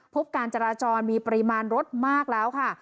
การจราจรมีปริมาณรถมากแล้วค่ะ